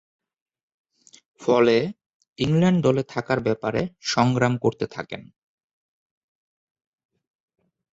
ফলে, ইংল্যান্ড দলে থাকার ব্যাপারে সংগ্রাম করতে থাকেন।